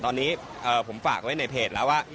ตอนนี้ผมฝากไว้ในเพจแล้วว่า